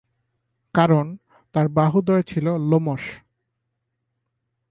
কারণ, তাঁর বাহুদ্বয় ছিল লোমশ।